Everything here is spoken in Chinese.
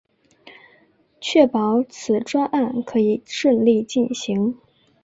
确保此专案可以顺利进行